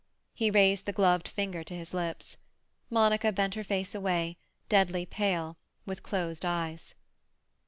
He raised the gloved fingers to his lips. Monica bent her face away, deadly pale, with closed eyes.